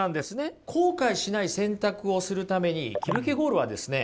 後悔しない選択をするためにキルケゴールはですね